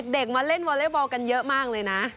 มาเล่นวอเล็กบอลกันเยอะมากเลยนะ